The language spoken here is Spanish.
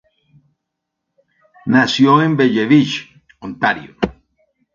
Nació en Belleville, Ontario.